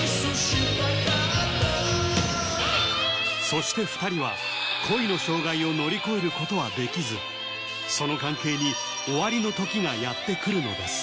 そして２人は恋の障害を乗り越えることはできずその関係に終わりの刻がやってくるのです